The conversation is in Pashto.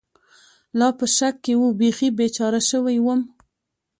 لا په شک کې و، بېخي بېچاره شوی ووم.